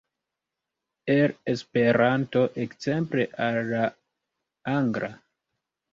el Esperanto ekzemple al la angla?